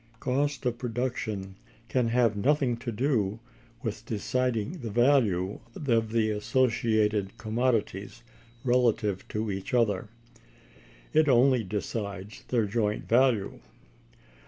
Cost of production can have nothing to do with deciding the value of the associated commodities relatively to each other. It only decides their joint value.